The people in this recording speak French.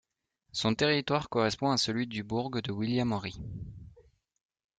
Son territoire correspond à celui du bourg de William-Henry.